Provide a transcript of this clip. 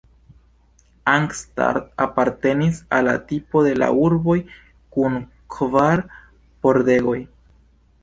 Arnstadt apartenis al la tipo de la urboj kun kvar pordegoj.